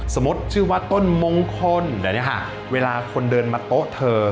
สมมุติชื่อว่าต้นมงคลแบบนี้ค่ะเวลาคนเดินมาโต๊ะเธอ